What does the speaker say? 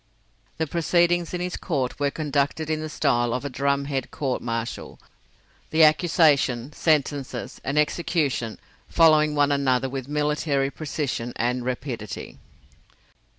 The proceedings in his court were conducted in the style of a drum head court martial, the accusation, sentences, and execution following one another with military precision and rapidity.